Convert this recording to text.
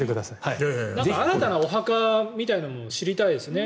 新たなお墓みたいなのを知りたいですね。